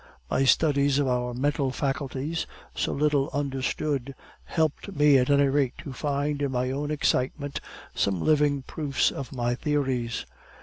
My studies of our mental faculties, so little understood, helped me at any rate to find in my own excitement some living proofs of my theories.